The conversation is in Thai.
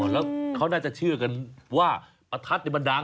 แล้วเขาน่าจะเชื่อกันว่าปะทัศน์เนี่ยมันดัง